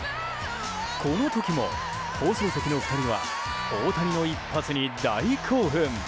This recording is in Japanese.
この時も、放送席の２人は大谷の一発に大興奮。